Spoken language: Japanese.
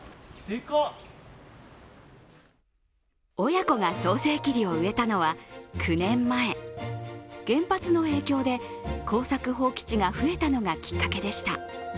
親子が早生桐を植えたのは９年前原発の影響で耕作放棄地が増えたのがきっかけでした。